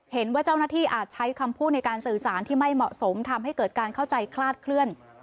เห็นว่าเจ้าหน้าที่อาจใช้คำพูดในการสื่อสารที่ไม่เหมาะสมทำให้เกิดการเข้าใจคลาดเคลื่อน